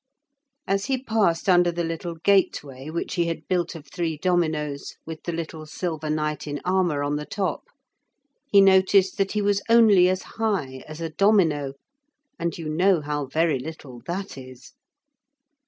As he passed under the little gateway which he had built of three dominoes with the little silver knight in armour on the top, he noticed that he was only as high as a domino, and you know how very little that is.